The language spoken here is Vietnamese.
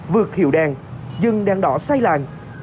vượt hiệu đen dân đen đỏ say làng